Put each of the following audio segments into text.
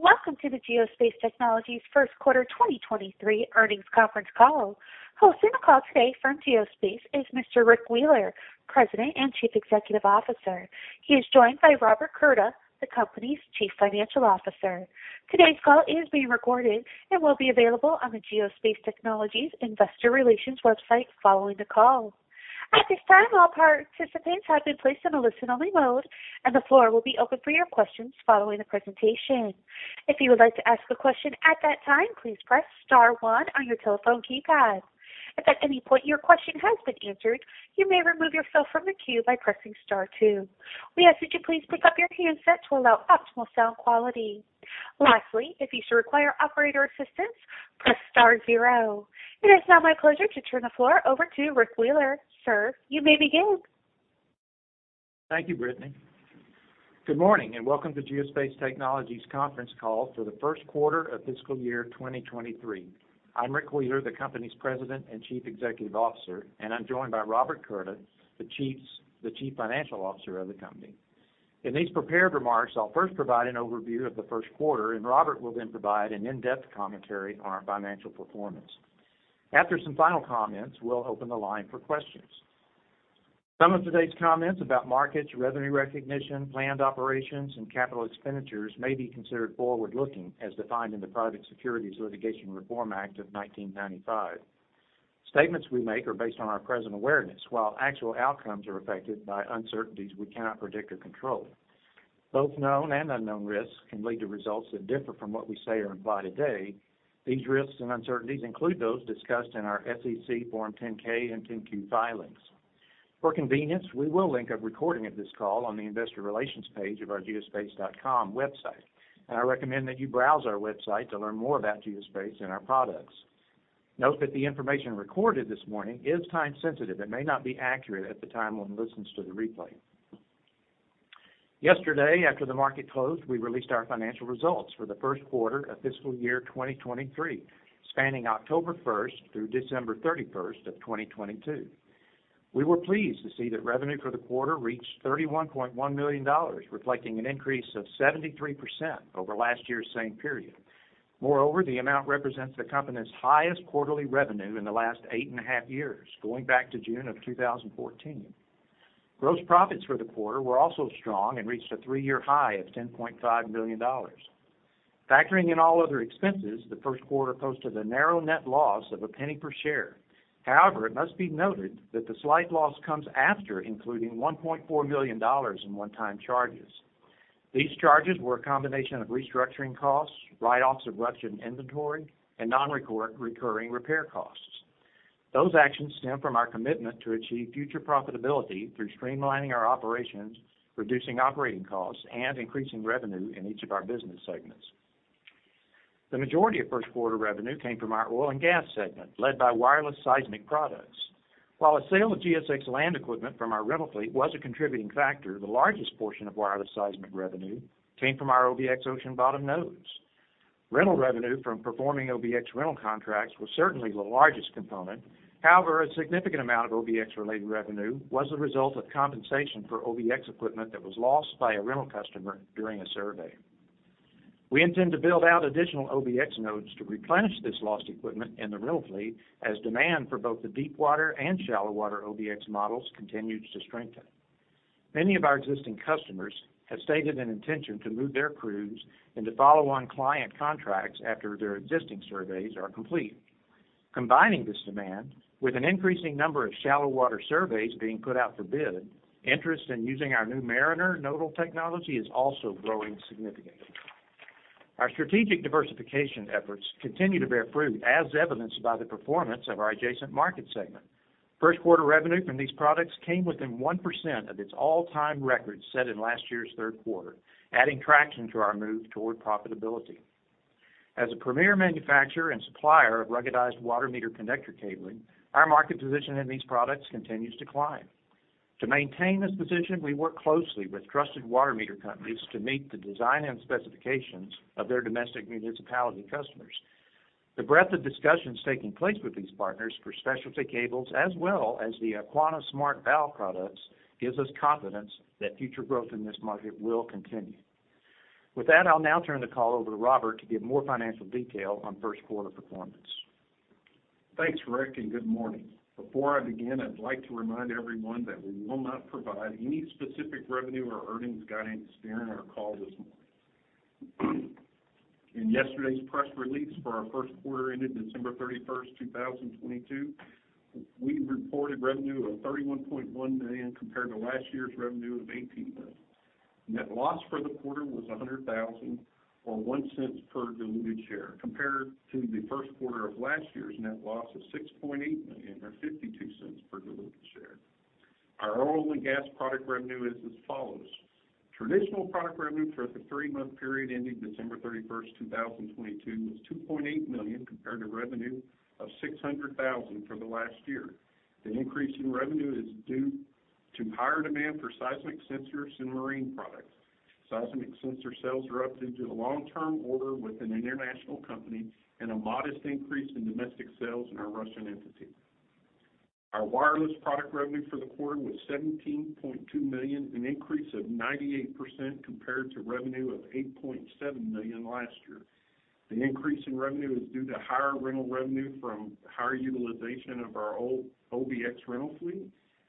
Welcome to the Geospace Technologies first quarter 2023 earnings conference call. Hosting the call today from Geospace is Mr. Rick Wheeler, President and Chief Executive Officer. He is joined by Robert Curda, the company's Chief Financial Officer. Today's call is being recorded and will be available on the Geospace Technologies investor relations website following the call. At this time, all participants have been placed in a listen-only mode. The floor will be open for your questions following the presentation. If you would like to ask a question at that time, please press star one on your telephone keypad. If at any point your question has been answered, you may remove yourself from the queue by pressing star two. We ask that you please pick up your handset to allow optimal sound quality. Lastly, if you should require operator assistance, press star zero. It is now my pleasure to turn the floor over to Rick Wheeler. Sir, you may begin. Thank you, Brittany. Good morning, welcome to Geospace Technologies conference call for the first quarter of fiscal year 2023. I'm Rick Wheeler, the company's President and Chief Executive Officer, I'm joined by Robert Curda, the Chief Financial Officer of the company. In these prepared remarks, I'll first provide an overview of the first quarter, Robert will then provide an in-depth commentary on our financial performance. After some final comments, we'll open the line for questions. Some of today's comments about markets, revenue recognition, planned operations, and capital expenditures may be considered forward-looking as defined in the Private Securities Litigation Reform Act of 1995. Statements we make are based on our present awareness, while actual outcomes are affected by uncertainties we cannot predict or control. Both known and unknown risks can lead to results that differ from what we say or imply today. These risks and uncertainties include those discussed in our SEC Form 10-K and 10-Q filings. For convenience, we will link a recording of this call on the investor relations page of our geospace.com website. I recommend that you browse our website to learn more about Geospace and our products. Note that the information recorded this morning is time-sensitive and may not be accurate at the time one listens to the replay. Yesterday, after the market closed, we released our financial results for the first quarter of fiscal year 2023, spanning October 1st through December 31st of 2022. We were pleased to see that revenue for the quarter reached $31.1 million, reflecting an increase of 73% over last year's same period. Moreover, the amount represents the company's highest quarterly revenue in the last 8.5 years, going back to June 2014. Gross profits for the quarter were also strong and reached a three-year high of $10.5 million. Factoring in all other expenses, the first quarter posted a narrow net loss of $0.01 per share. However, it must be noted that the slight loss comes after including $1.4 million in one-time charges. These charges were a combination of restructuring costs, write-offs of Russian inventory, and non-recurring repair costs. Those actions stem from our commitment to achieve future profitability through streamlining our operations, reducing operating costs, and increasing revenue in each of our business segments. The majority of first quarter revenue came from our oil and gas segment, led by wireless seismic products. While a sale of GSX Land equipment from our rental fleet was a contributing factor, the largest portion of wireless seismic revenue came from our OBX ocean bottom nodes. Rental revenue from performing OBX rental contracts was certainly the largest component. However, a significant amount of OBX-related revenue was the result of compensation for OBX equipment that was lost by a rental customer during a survey. We intend to build out additional OBX nodes to replenish this lost equipment in the rental fleet as demand for both the deepwater and shallow water OBX models continues to strengthen. Many of our existing customers have stated an intention to move their crews into follow-on client contracts after their existing surveys are complete. Combining this demand with an increasing number of shallow water surveys being put out for bid, interest in using our new Mariner nodal technology is also growing significantly. Our strategic diversification efforts continue to bear fruit as evidenced by the performance of our adjacent market segment. First quarter revenue from these products came within 1% of its all-time record set in last year's third quarter, adding traction to our move toward profitability. As a premier manufacturer and supplier of ruggedized water meter connector cabling, our market position in these products continues to climb. To maintain this position, we work closely with trusted water meter companies to meet the design and specifications of their domestic municipality customers. The breadth of discussions taking place with these partners for specialty cables as well as the Aquana Smart Valve products gives us confidence that future growth in this market will continue. With that, I'll now turn the call over to Robert to give more financial detail on first quarter performance. Thanks, Rick. Good morning. Before I begin, I'd like to remind everyone that we will not provide any specific revenue or earnings guidance during our call this morning. In yesterday's press release for our first quarter ended December 31st, 2022, we reported revenue of $31.1 million compared to last year's revenue of $18 million. Net loss for the quarter was $100,000 or $0.01 per diluted share, compared to the first quarter of last year's net loss of $6.8 million or $0.52 per diluted share. Our oil and gas product revenue is as follows. Traditional product revenue for the three-month period ending December 31st, 2022, was $2.8 million compared to revenue of $600,000 for the last year. The increase in revenue is due to higher demand for seismic sensors and marine products. Seismic sensor sales are up due to the long-term order with an international company and a modest increase in domestic sales in our Russian entity. Our wireless product revenue for the quarter was $17.2 million, an increase of 98% compared to revenue of $8.7 million last year. The increase in revenue is due to higher rental revenue from higher utilization of our old OBX rental fleet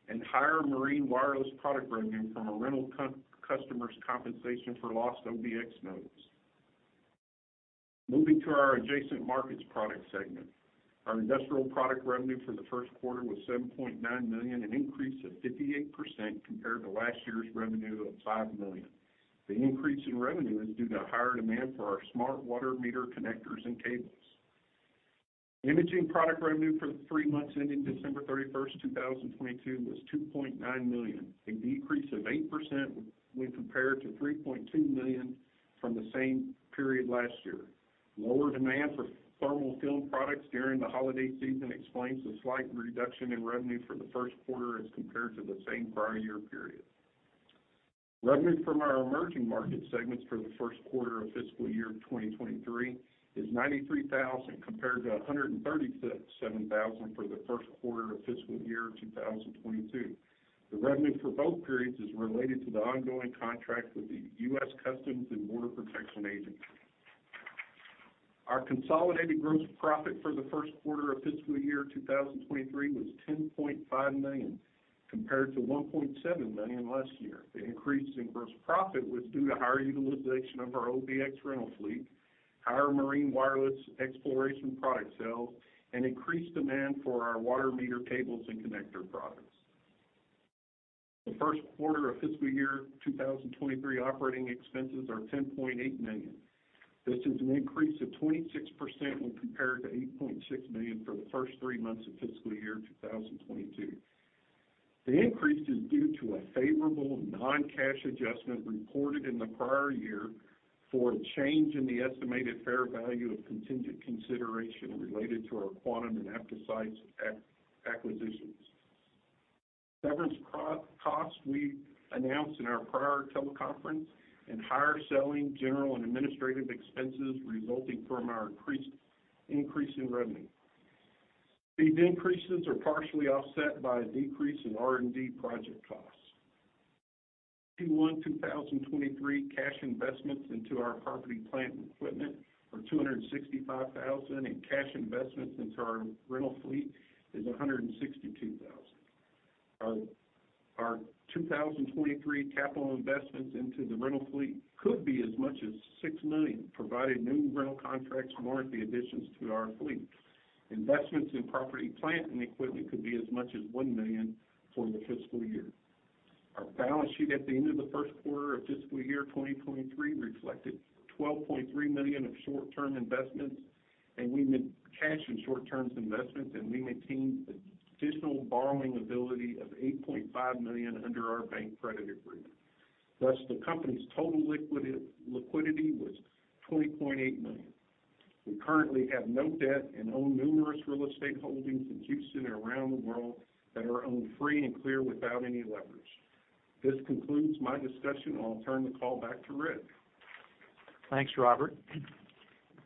and higher Marine wireless product revenue from a rental customer's compensation for lost OBX nodes. Moving to our adjacent markets product segment. Our industrial product revenue for the first quarter was $7.9 million, an increase of 58% compared to last year's revenue of $5 million. The increase in revenue is due to higher demand for our smart water meter connectors and cables. Imaging product revenue for the three months ending December 31st, 2022 was $2.9 million, a decrease of 8% when compared to $3.2 million from the same period last year. Lower demand for thermal film products during the holiday season explains the slight reduction in revenue for the first quarter as compared to the same prior year period. Revenue from our emerging market segments for the first quarter of fiscal year 2023 is $93,000, compared to $137,000 for the first quarter of fiscal year 2022. The revenue for both periods is related to the ongoing contract with the U.S. Customs and Border Protection Agency. Our consolidated gross profit for the first quarter of fiscal year 2023 was $10.5 million, compared to $1.7 million last year. The increase in gross profit was due to higher utilization of our OBX rental fleet, higher Marine wireless exploration product sales, and increased demand for our water meter cables and connector products. The first quarter of fiscal year 2023 operating expenses are $10.8 million. This is an increase of 26% when compared to $8.6 million for the first three months of fiscal year 2022. The increase is due to a favorable non-cash adjustment reported in the prior year for a change in the estimated fair value of contingent consideration related to our Quantum and OptoSeis acquisitions. Severance costs we announced in our prior teleconference and higher selling, general and administrative expenses resulting from our increase in revenue. These increases are partially offset by a decrease in R&D project costs. Q1 2023 cash investments into our property, plant, and equipment are $265,000, and cash investments into our rental fleet is $162,000. Our 2023 capital investments into the rental fleet could be as much as $6 million, provided new rental contracts warrant the additions to our fleet. Investments in property, plant, and equipment could be as much as $1 million for the fiscal year. Our balance sheet at the end of the first quarter of fiscal year 2023 reflected $12.3 million of cash and short-term investments, and we maintained additional borrowing ability of $8.5 million under our bank credit agreement. Thus, the company's total liquidity was $20.8 million. We currently have no debt and own numerous real estate holdings in Houston and around the world that are owned free and clear without any leverage. This concludes my discussion, and I'll turn the call back to Rick. Thanks, Robert.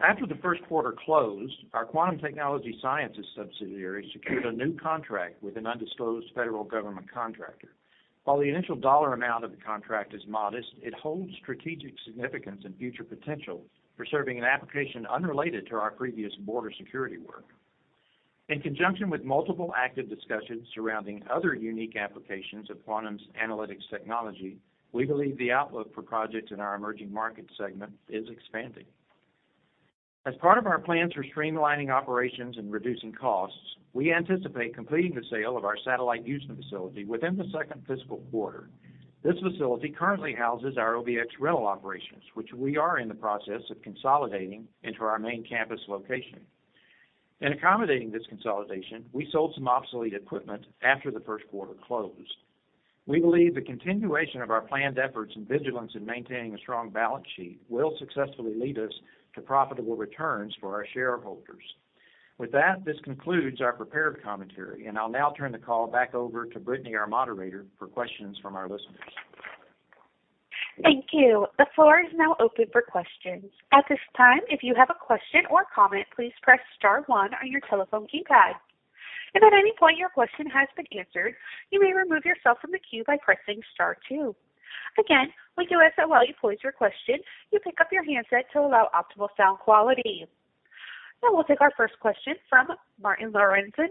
After the first quarter closed, our Quantum Technology Sciences subsidiary secured a new contract with an undisclosed federal government contractor. While the initial dollar amount of the contract is modest, it holds strategic significance and future potential for serving an application unrelated to our previous border security work. In conjunction with multiple active discussions surrounding other unique applications of Quantum's analytics technology, we believe the outlook for projects in our emerging market segment is expanding. As part of our plans for streamlining operations and reducing costs, we anticipate completing the sale of our satellite Houston facility within the second fiscal quarter. This facility currently houses our OBX rental operations, which we are in the process of consolidating into our main campus location. In accommodating this consolidation, we sold some obsolete equipment after the first quarter closed. We believe the continuation of our planned efforts and vigilance in maintaining a strong balance sheet will successfully lead us to profitable returns for our shareholders. With that, this concludes our prepared commentary, and I'll now turn the call back over to Brittany, our moderator, for questions from our listeners. Thank you. The floor is now open for questions. At this time, if you have a question or comment, please press star one on your telephone keypad. If at any point your question has been answered, you may remove yourself from the queue by pressing star two. Again, we do ask that while you pose your question, you pick up your handset to allow optimal sound quality. Now we'll take our first question from Martin Lorenzen,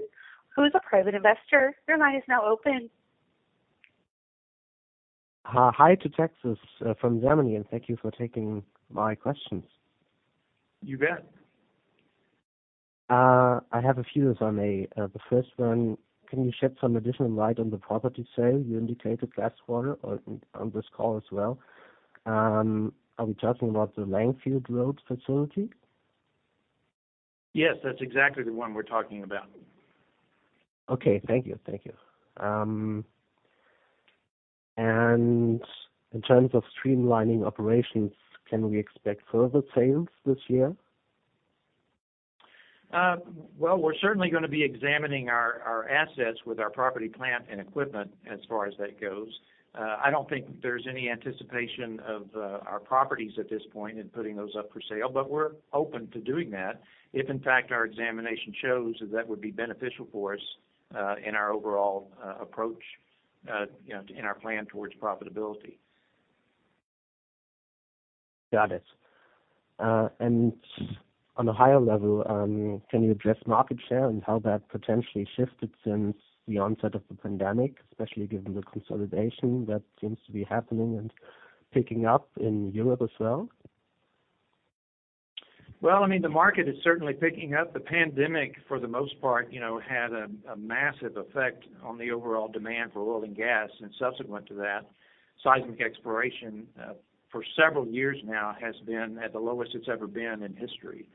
who is a private investor. Your line is now open. Hi, hi to Texas, from Germany, and thank you for taking my questions. You bet. I have a few, if I may. The first one, can you shed some additional light on the property sale you indicated last quarter on this call as well? Are we talking about the Langfield Road facility? Yes, that's exactly the one we're talking about. Okay. Thank you. Thank you. In terms of streamlining operations, can we expect further sales this year? Well, we're certainly gonna be examining our assets with our property, plant, and equipment as far as that goes. I don't think there's any anticipation of our properties at this point in putting those up for sale, but we're open to doing that if in fact our examination shows that that would be beneficial for us, in our overall approach, you know, in our plan towards profitability. Got it. On a higher level, can you address market share and how that potentially shifted since the onset of the pandemic, especially given the consolidation that seems to be happening and picking up in Europe as well? Well, I mean, the market is certainly picking up. The pandemic, for the most part, you know, had a massive effect on the overall demand for oil and gas. Subsequent to that, seismic exploration, for several years now has been at the lowest it's ever been in history.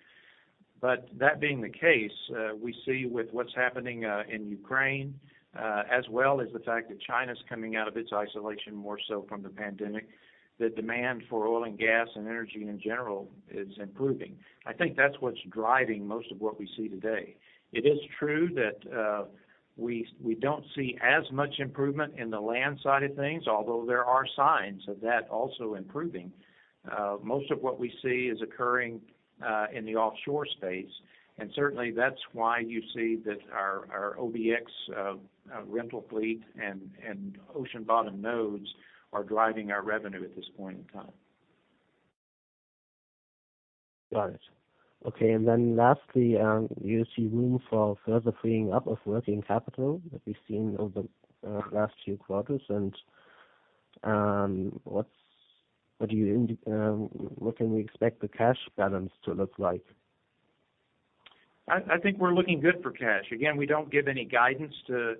That being the case, we see with what's happening in Ukraine, as well as the fact that China's coming out of its isolation more so from the pandemic, the demand for oil and gas and energy in general is improving. I think that's what's driving most of what we see today. It is true that we don't see as much improvement in the land side of things, although there are signs of that also improving. Most of what we see is occurring, in the offshore space, and certainly that's why you see that our OBX, rental fleet and ocean bottom nodes are driving our revenue at this point in time. Got it. Okay. Then lastly, you see room for further freeing up of working capital that we've seen over the last few quarters? What can we expect the cash balance to look like? I think we're looking good for cash. Again, we don't give any guidance to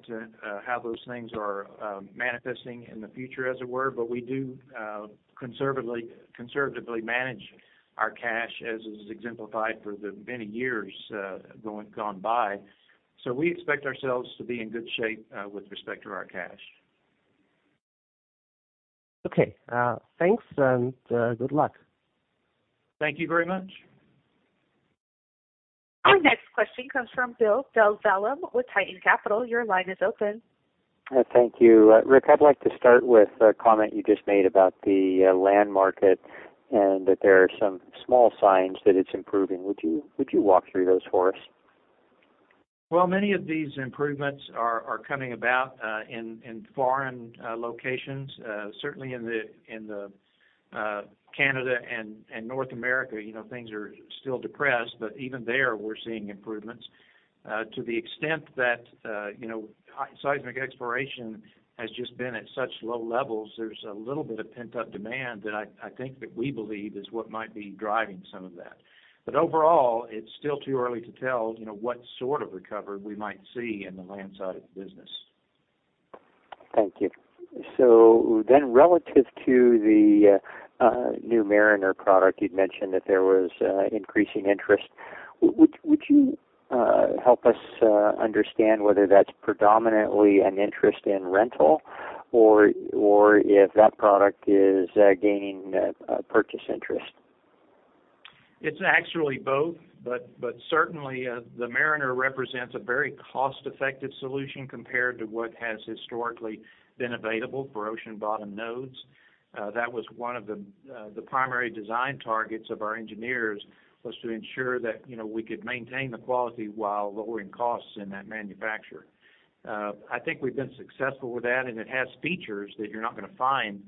how those things are manifesting in the future, as it were. We do conservatively manage our cash, as is exemplified for the many years gone by. We expect ourselves to be in good shape with respect to our cash. Okay. Thanks and good luck. Thank you very much. Our next question comes from Bill Dezellem with Tieton Capital. Your line is open. Thank you. Rick, I'd like to start with a comment you just made about the land market, and that there are some small signs that it's improving. Would you walk through those for us? Many of these improvements are coming about in foreign locations. Certainly in Canada and North America, you know, things are still depressed, but even there we're seeing improvements. To the extent that, you know, seismic exploration has just been at such low levels, there's a little bit of pent-up demand that I think that we believe is what might be driving some of that. Overall, it's still too early to tell, you know, what sort of recovery we might see in the land side of the business. Thank you. Relative to the new Mariner product, you'd mentioned that there was increasing interest. Would you help us understand whether that's predominantly an interest in rental or if that product is gaining a purchase interest? It's actually both, but certainly, the Mariner represents a very cost-effective solution compared to what has historically been available for ocean bottom nodes. That was one of the primary design targets of our engineers was to ensure that, you know, we could maintain the quality while lowering costs in that manufacture. I think we've been successful with that, and it has features that you're not gonna find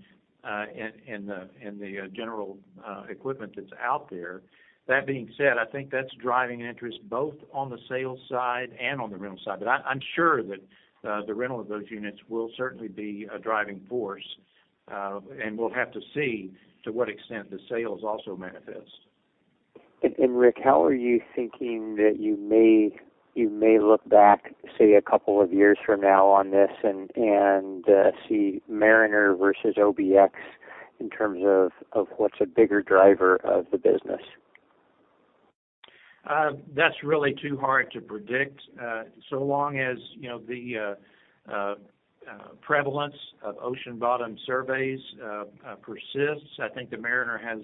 in the general equipment that's out there. That being said, I think that's driving interest both on the sales side and on the rental side. I'm sure that the rental of those units will certainly be a driving force. We'll have to see to what extent the sales also manifest. Rick, how are you thinking that you may look back, say, a couple of years from now on this and see Mariner versus OBX in terms of what's a bigger driver of the business? That's really too hard to predict. So long as, you know, the prevalence of ocean-bottom surveys persists, I think the Mariner has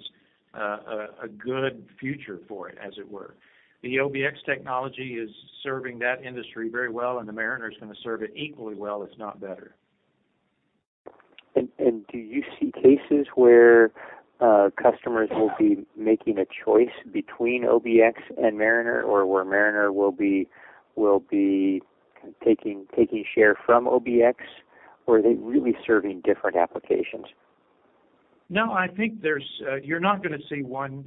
a good future for it, as it were. The OBX technology is serving that industry very well, and the Mariner is gonna serve it equally well, if not better. Do you see cases where customers will be making a choice between OBX and Mariner, or where Mariner will be taking share from OBX? Or are they really serving different applications? No, I think you're not gonna see one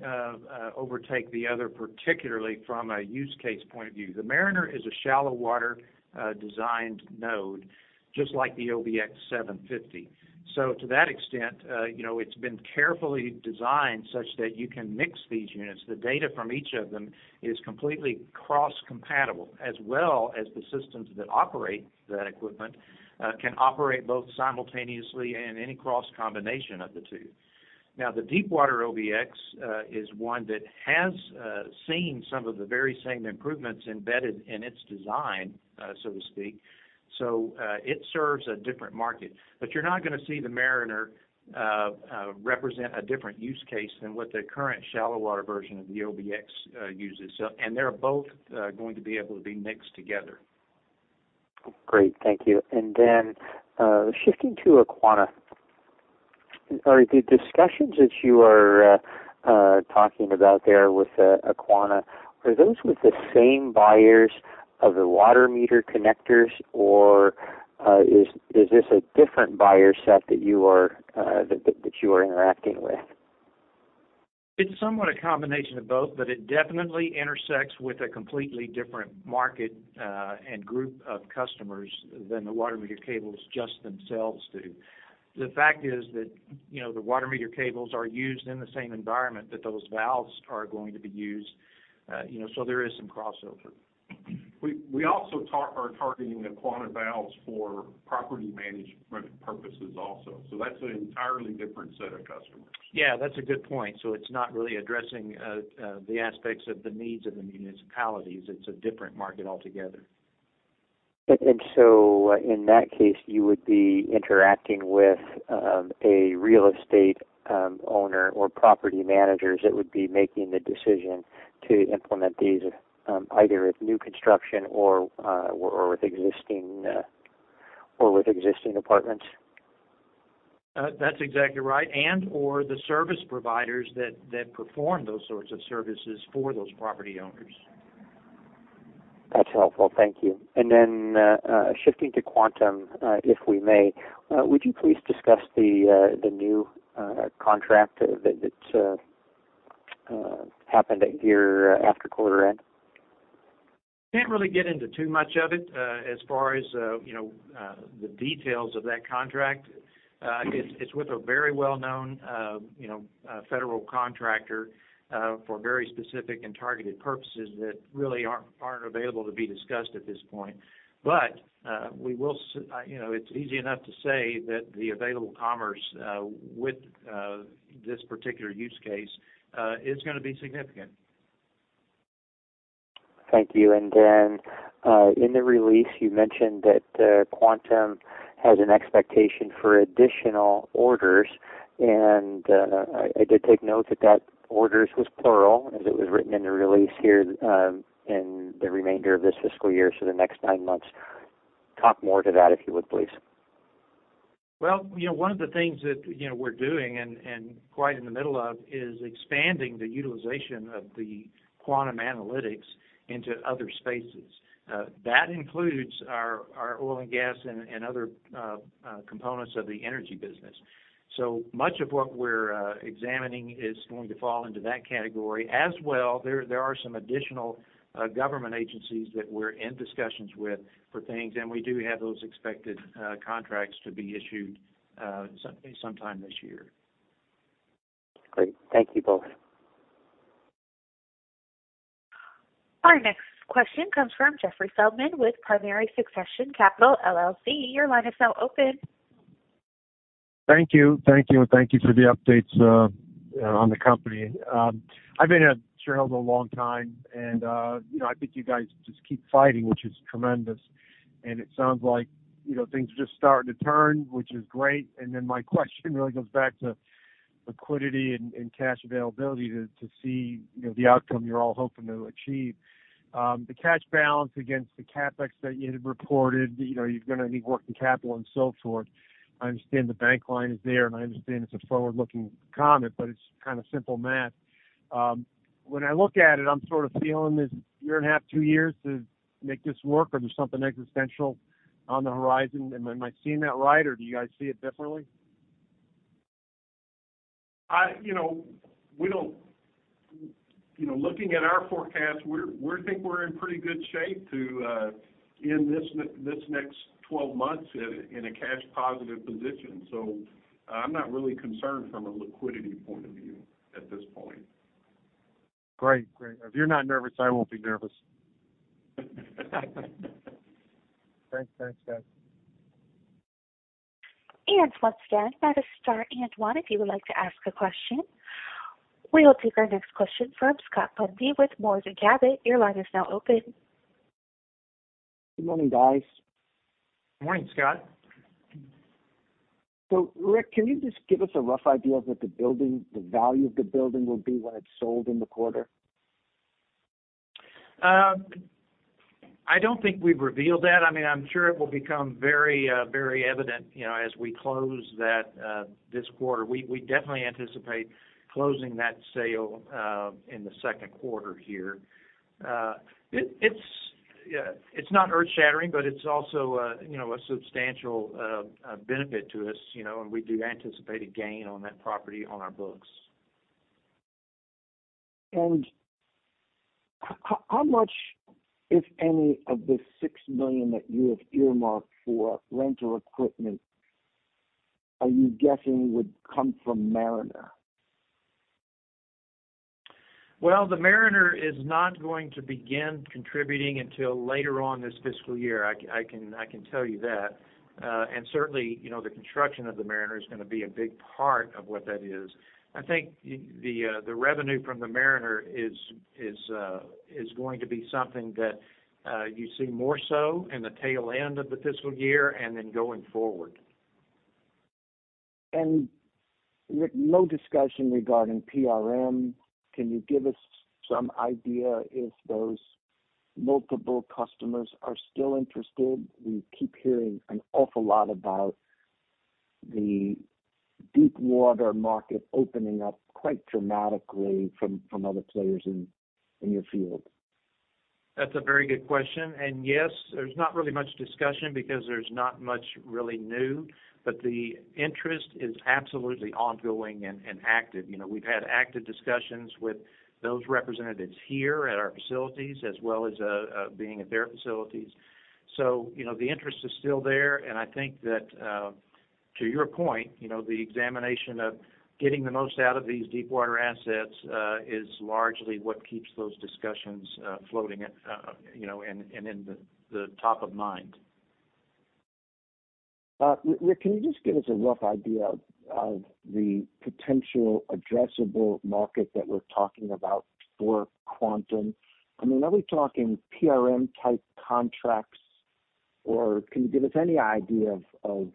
overtake the other, particularly from a use case point of view. The Mariner is a shallow water designed node, just like the OBX 750. To that extent, you know, it's been carefully designed such that you can mix these units. The data from each of them is completely cross-compatible, as well as the systems that operate that equipment, can operate both simultaneously and any cross combination of the two. The Deepwater OBX is one that has seen some of the very same improvements embedded in its design, so to speak. It serves a different market. You're not gonna see the Mariner represent a different use case than what the current shallow water version of the OBX uses. They're both, going to be able to be mixed together. Great. Thank you. Shifting to Aquana. Are the discussions that you are talking about there with Aquana. Are those with the same buyers of the water meter connectors or is this a different buyer set that you are interacting with? It's somewhat a combination of both, but it definitely intersects with a completely different market, and group of customers than the water meter cables just themselves do. The fact is that, you know, the water meter cables are used in the same environment that those valves are going to be used, you know, so there is some crossover. We also are targeting Aquana valves for property management purposes also. That's an entirely different set of customers. Yeah, that's a good point. It's not really addressing the aspects of the needs of the municipalities. It's a different market altogether. In that case, you would be interacting with a real estate owner or property managers that would be making the decision to implement these, either with new construction or with existing apartments? That's exactly right. And/or the service providers that perform those sorts of services for those property owners. That's helpful. Thank you. Shifting to Quantum, if we may. Would you please discuss the new contract that happened at year after quarter end? Can't really get into too much of it, as far as, you know, the details of that contract. It's with a very well-known, you know, federal contractor, for very specific and targeted purposes that really aren't available to be discussed at this point. We will you know, it's easy enough to say that the available commerce, with, this particular use case, is gonna be significant. Thank you. Then, in the release, you mentioned that Quantum has an expectation for additional orders. I did take note that orders was plural as it was written in the release here, in the remainder of this fiscal year, so the next nine months. Talk more to that, if you would, please. You know, one of the things that, you know, we're doing and quite in the middle of, is expanding the utilization of the Quantum analytics into other spaces. That includes our oil and gas and other components of the energy business. Much of what we're examining is going to fall into that category. As well, there are some additional government agencies that we're in discussions with for things, and we do have those expected contracts to be issued sometime this year. Great. Thank you both. Our next question comes from Jeffrey Feldman with Primary Succession Capital LLC. Your line is now open. Thank you. Thank you, and thank you for the updates on the company. I've been a shareholder a long time and, you know, I think you guys just keep fighting, which is tremendous. It sounds like, you know, things are just starting to turn, which is great. My question really goes back to liquidity and cash availability to see, you know, the outcome you're all hoping to achieve. The cash balance against the CapEx that you had reported, you know, you're gonna need working capital and so forth. I understand the bank line is there, and I understand it's a forward-looking comment, but it's kind of simple math. When I look at it, I'm sort of feeling this year and a half, two years to make this work, or there's something existential on the horizon. Am I seeing that right, or do you guys see it differently? You know, we don't... You know, looking at our forecast, we think we're in pretty good shape to end this next 12 months in a cash positive position. I'm not really concerned from a liquidity point of view at this point. Great. Great. If you're not nervous, I won't be nervous. Thanks. Thanks, guys. Once again, press star and one if you would like to ask a question. We will take our next question from Scott Bundy with Moors and Cabot. Your line is now open. Good morning, guys. Morning, Scott. Rick, can you just give us a rough idea of what the building, the value of the building will be when it's sold in the quarter? I don't think we've revealed that. I mean, I'm sure it will become very, very evident, you know, as we close that this quarter. We definitely anticipate closing that sale in the second quarter here. It's not earth-shattering, but it's also, you know, a substantial benefit to us, you know, and we do anticipate a gain on that property on our books. How much, if any, of the $6 million that you have earmarked for rental equipment are you guessing would come from Mariner? The Mariner is not going to begin contributing until later on this fiscal year. I can tell you that. Certainly, you know, the construction of the Mariner is gonna be a big part of what that is. I think the revenue from the Mariner is going to be something that you see more so in the tail end of the fiscal year and then going forward. Rick, no discussion regarding PRM. Can you give us some idea if those multiple customers are still interested? We keep hearing an awful lot about The deep water market opening up quite dramatically from other players in your field. That's a very good question. Yes, there's not really much discussion because there's not much really new. The interest is absolutely ongoing and active. You know, we've had active discussions with those representatives here at our facilities as well as being at their facilities. You know, the interest is still there, and I think that to your point, you know, the examination of getting the most out of these deep water assets is largely what keeps those discussions floating, you know, and in the top of mind. Rick, can you just give us a rough idea of the potential addressable market that we're talking about for Quantum? I mean, are we talking PRM type contracts? Can you give us any idea of,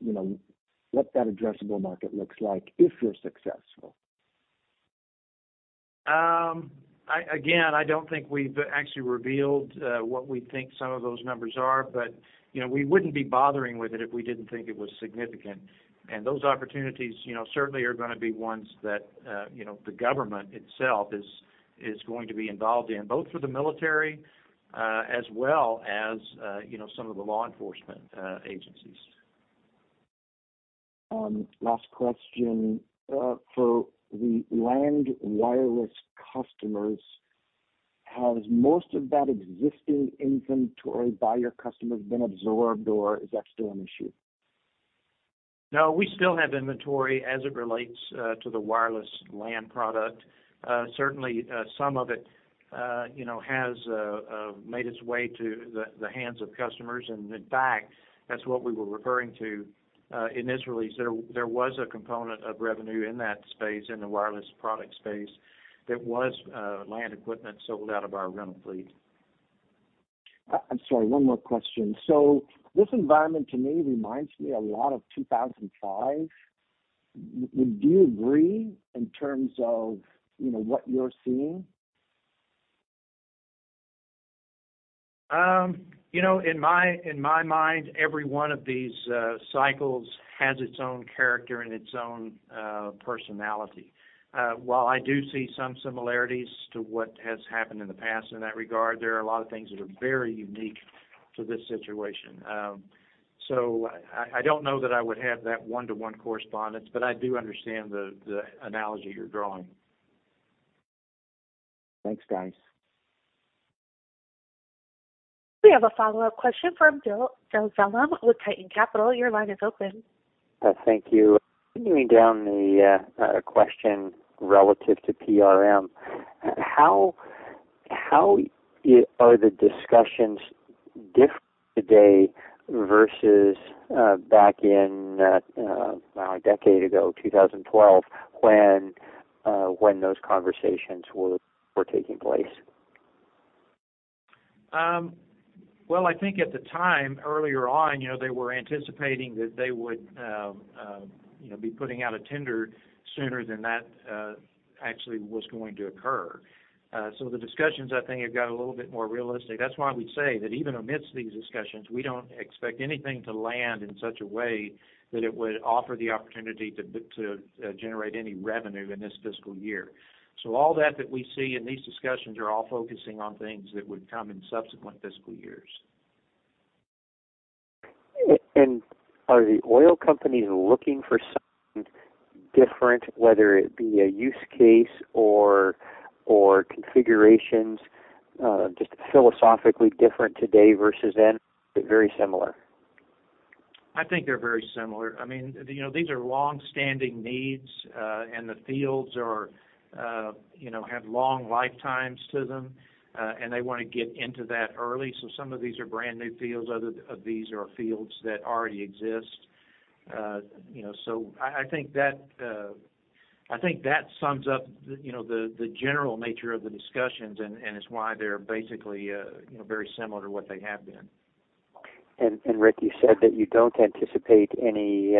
you know, what that addressable market looks like if you're successful? Again, I don't think we've actually revealed what we think some of those numbers are, but, you know, we wouldn't be bothering with it if we didn't think it was significant. Those opportunities, you know, certainly are gonna be ones that, you know, the government itself is going to be involved in, both for the military, as well as, you know, some of the law enforcement agencies. Last question. For the land wireless customers, has most of that existing inventory by your customers been absorbed, or is that still an issue? No, we still have inventory as it relates to the wireless land product. Certainly, some of it, you know, has made its way to the hands of customers. In fact, that's what we were referring to in this release. There was a component of revenue in that space, in the wireless product space, that was land equipment sold out of our rental fleet. I'm sorry, one more question. This environment to me reminds me a lot of 2005. Do you agree in terms of, you know, what you're seeing? You know, in my, in my mind, every one of these cycles has its own character and its own personality. While I do see some similarities to what has happened in the past in that regard, there are a lot of things that are very unique to this situation. I don't know that I would have that one-to-one correspondence, but I do understand the analogy you're drawing. Thanks, guys. We have a follow-up question from Joe Zelman with Tieton Capital Management. Your line is open. Thank you. Continuing down the question relative to PRM, how are the discussions different today versus back in, well, a decade ago, 2012, when those conversations were taking place? Well, I think at the time earlier on, you know, they were anticipating that they would, you know, be putting out a tender sooner than that, actually was going to occur. The discussions, I think, have got a little bit more realistic. That's why we say that even amidst these discussions, we don't expect anything to land in such a way that it would offer the opportunity to generate any revenue in this fiscal year. All that that we see in these discussions are all focusing on things that would come in subsequent fiscal years. Are the oil companies looking for something different, whether it be a use case or configurations, just philosophically different today versus then, or are they very similar? I think they're very similar. I mean, you know, these are longstanding needs, and the fields are, you know, have long lifetimes to them, and they wanna get into that early. Some of these are brand new fields, other of these are fields that already exist. you know, so I think that, I think that sums up, you know, the general nature of the discussions and is why they're basically, you know, very similar to what they have been. Rick, you said that you don't anticipate any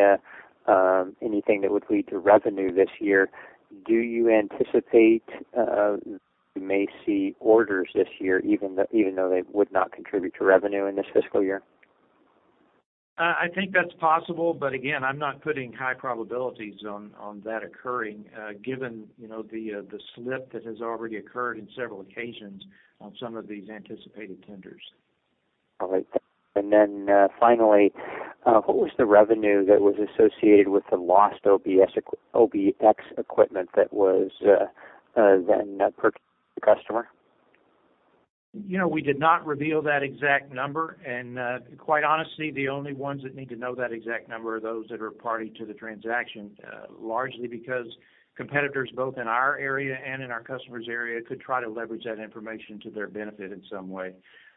anything that would lead to revenue this year. Do you anticipate you may see orders this year, even though they would not contribute to revenue in this fiscal year? Again, I'm not putting high probabilities on that occurring, given, you know, the slip that has already occurred in several occasions on some of these anticipated tenders. All right. Finally, what was the revenue that was associated with the lost OBX equipment that was then purchased by the customer? You know, we did not reveal that exact number. Quite honestly, the only ones that need to know that exact number are those that are party to the t ransaction, largely because competitors, both in our area and in our customers' area, could try to leverage that information to their benefit in some way.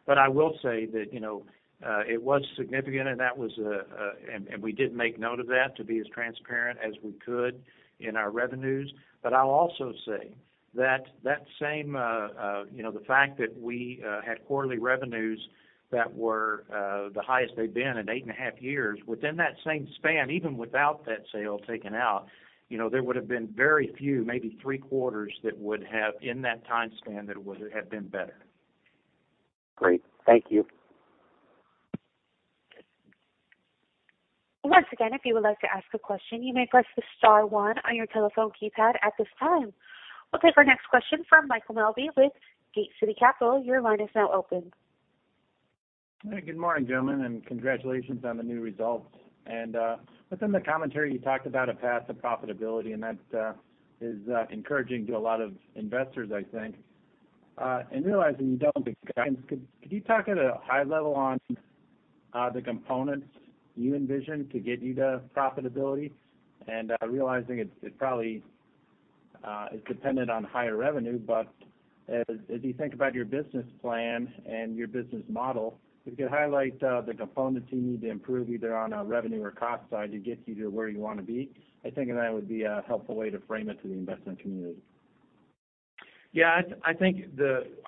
I will say that, you know, it was significant, and that was, and we did make note of that to be as transparent as we could in our revenues. I'll also say that that same, you know, the fact that we had quarterly revenues that were the highest they've been in eight and a half years, within that same span, even without that sale taken out, you know, there would've been very few, maybe three quarters that would have in that time span, that would have been better. Great. Thank you. Once again, if you would like to ask a question, you may press the star one on your telephone keypad at this time. We'll take our next question from Michael Melby with Gate City Capital. Your line is now open. Good morning, gentlemen, and congratulations on the new results. Within the commentary, you talked about a path to profitability, and that is encouraging to a lot of investors, I think. Realizing you don't, could you talk at a high level on the components you envision to get you to profitability? Realizing it's probably dependent on higher revenue. As you think about your business plan and your business model, if you could highlight the components you need to improve either on a revenue or cost side to get you to where you wanna be, I think that would be a helpful way to frame it to the investment community. Yeah, I think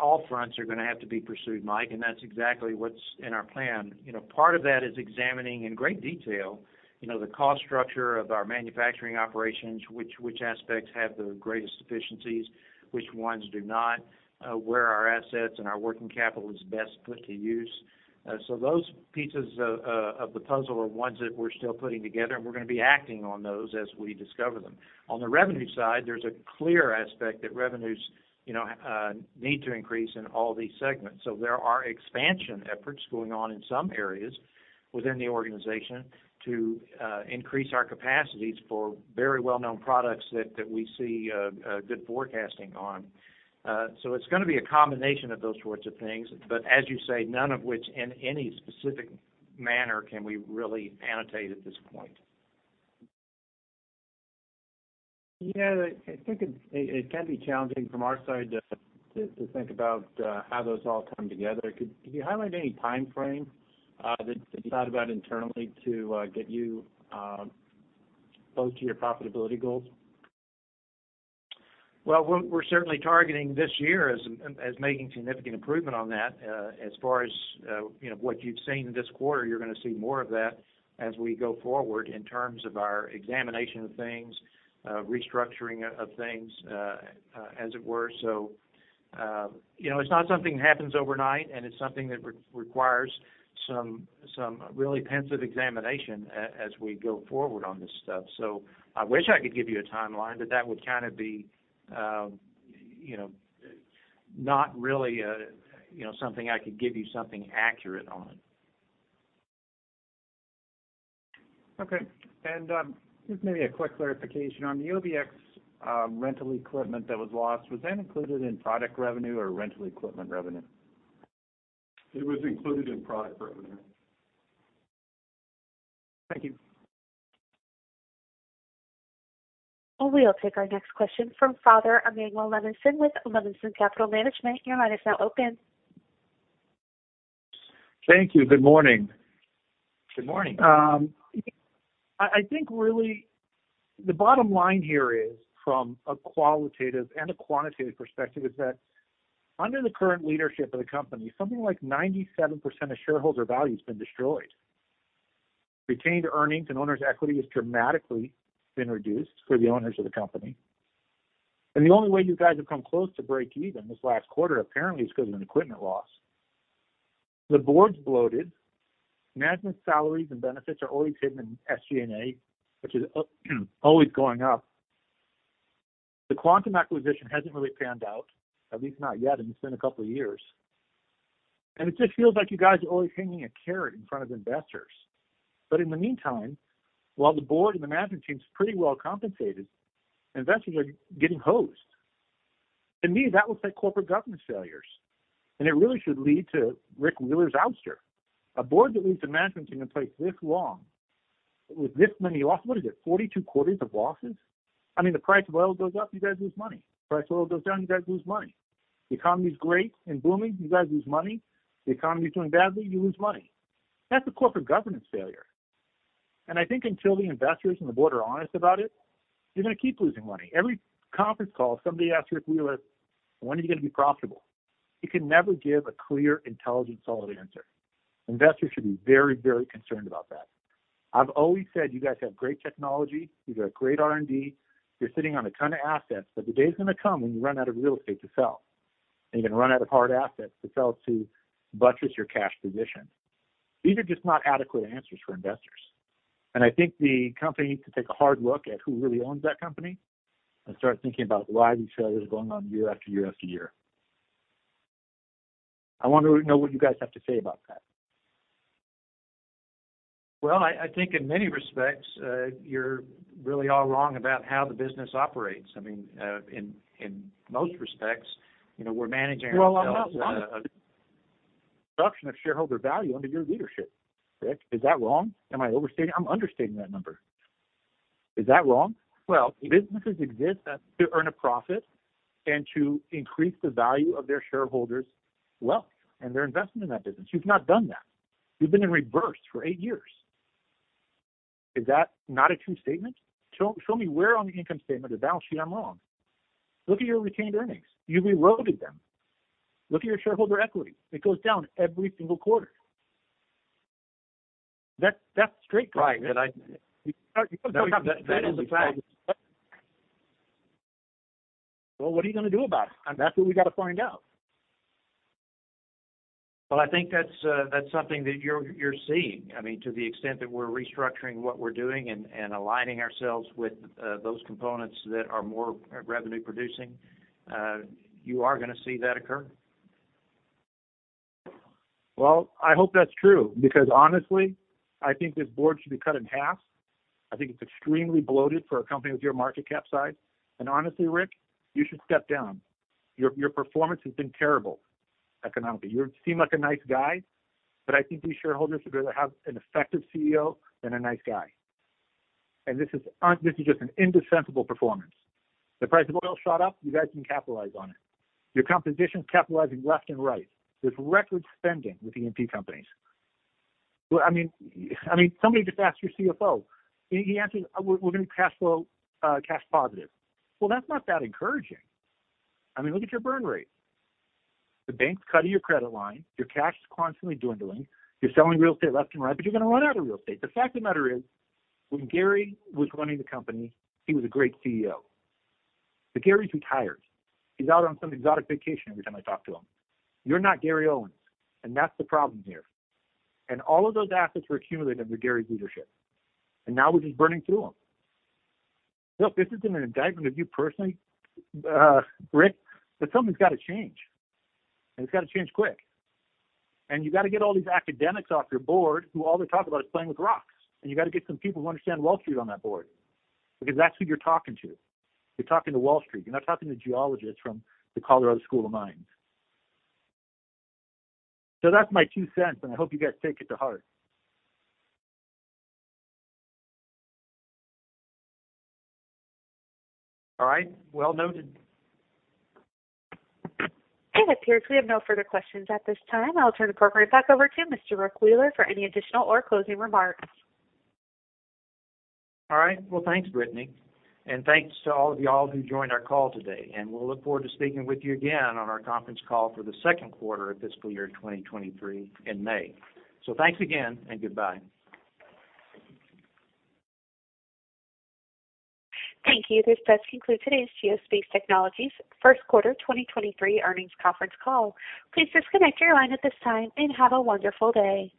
all fronts are gonna have to be pursued, Mike, and that's exactly what's in our plan. You know, part of that is examining in great detail, you know, the cost structure of our manufacturing operations, which aspects have the greatest efficiencies, which ones do not, where our assets and our working capital is best put to use. Those pieces of the puzzle are ones that we're still putting together, and we're gonna be acting on those as we discover them. On the revenue side, there's a clear aspect that revenues, you know, need to increase in all these segments. There are expansion efforts going on in some areas within the organization to increase our capacities for very well-known products that we see good forecasting on. It's gonna be a combination of those sorts of things, but as you say, none of which in any specific manner can we really annotate at this point. I think it can be challenging from our side to think about, how those all come together. Can you highlight any timeframe that you thought about internally to get you close to your profitability goals? We're certainly targeting this year as making significant improvement on that. As far as, you know, what you've seen this quarter, you're gonna see more of that as we go forward in terms of our examination of things, restructuring of things, as it were. You know, it's not something that happens overnight, and it's something that requires some really pensive examination as we go forward on this stuff. I wish I could give you a timeline, but that would kinda be, you know, not really a, you know, something I could give you something accurate on. Okay. Just maybe a quick clarification. On the OBX, rental equipment that was lost, was that included in product revenue or rental equipment revenue? It was included in product revenue. Thank you. We'll take our next question from Walter Emanuel Levinson with Levinson Capital Management. Your line is now open. Thank you. Good morning. Good morning. I think really the bottom line here is from a qualitative and a quantitative perspective is that under the current leadership of the company, something like 97% of shareholder value has been destroyed. Retained earnings and owner's equity has dramatically been reduced for the owners of the company. The only way you guys have come close to breakeven this last quarter, apparently, is because of an equipment loss. The board's bloated. Management salaries and benefits are always hidden in SG&A, which is always going up. The Quantum acquisition hasn't really panned out, at least not yet, and it's been a couple of years. It just feels like you guys are always hanging a carrot in front of investors. In the meantime, while the board and the management team's pretty well compensated, investors are getting hosed. To me, that looks like corporate governance failures, and it really should lead to Rick Wheeler's ouster. A board that leaves the management team in place this long with this many losses, what is it, 42 quarters of losses? I mean, the price of oil goes up, you guys lose money. Price of oil goes down, you guys lose money. The economy's great and booming, you guys lose money. The economy's doing badly, you lose money. That's a corporate governance failure. I think until the investors and the board are honest about it, you're gonna keep losing money. Every conference call, somebody asks Rick Wheeler, "When are you gonna be profitable?" He can never give a clear, intelligent, solid answer. Investors should be very, very concerned about that. I've always said you guys have great technology. You've got great R&D. You're sitting on a ton of assets, but the day is gonna come when you run out of real estate to sell, and you're gonna run out of hard assets to sell to buttress your cash position. These are just not adequate answers for investors. I think the company needs to take a hard look at who really owns that company and start thinking about why these failures are going on year after year after year. I want to know what you guys have to say about that. Well, I think in many respects, you're really all wrong about how the business operates. I mean, in most respects, you know, we're managing ourselves- Well, I'm not wrong. Destruction of shareholder value under your leadership, Rick. Is that wrong? Am I overstating? I'm understating that number. Is that wrong? Well- Businesses exist to earn a profit and to increase the value of their shareholders' wealth and their investment in that business. You've not done that. You've been in reverse for eight years. Is that not a true statement? Show me where on the income statement or balance sheet I'm wrong. Look at your retained earnings. You've eroded them. Look at your shareholder equity. It goes down every single quarter. That's straight facts. Right. You can't tell me that isn't a fact. Well, what are you gonna do about it? That's what we gotta find out. Well, I think that's something that you're seeing. I mean, to the extent that we're restructuring what we're doing and aligning ourselves with, those components that are more revenue producing, you are gonna see that occur. Well, I hope that's true because honestly, I think this board should be cut in half. I think it's extremely bloated for a company with your market cap size. Honestly, Rick, you should step down. Your performance has been terrible economically. You seem like a nice guy, but I think these shareholders are gonna have an effective CEO than a nice guy. This is just an indefensible performance. The price of oil shot up, you guys didn't capitalize on it. Your competition's capitalizing left and right. There's record spending with E&P companies. I mean, somebody just asked your CFO. He answers, "We're gonna cash flow cash positive." That's not that encouraging. I mean, look at your burn rate. The bank's cutting your credit line, your cash is constantly dwindling, you're selling real estate left and right, but you're gonna run out of real estate. The fact of the matter is, when Gary was running the company, he was a great CEO. Gary's retired. He's out on some exotic vacation every time I talk to him. You're not Gary Owens, and that's the problem here. All of those assets were accumulated under Gary's leadership, and now we're just burning through them. Look, this isn't an indictment of you personally, Rick, but something's gotta change, and it's gotta change quick. You gotta get all these academics off your board who all they talk about is playing with rocks. You gotta get some people who understand Wall Street on that board because that's who you're talking to. You're talking to Wall Street. You're not talking to geologists from the Colorado School of Mines. That's my $0.02, and I hope you guys take it to heart. All right. Well noted. It appears we have no further questions at this time. I'll turn the program back over to Mr. Rick Wheeler for any additional or closing remarks. All right. Well, thanks, Brittany, and thanks to all of y'all who joined our call today, and we'll look forward to speaking with you again on our conference call for the second quarter of fiscal year 2023 in May. Thanks again and goodbye. Thank you. This does conclude today's Geospace Technologies first quarter 2023 earnings conference call. Please disconnect your line at this time, and have a wonderful day.